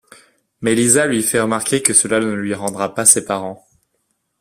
Mais Lisa lui fait remarquer que cela ne lui rendra pas ses parents.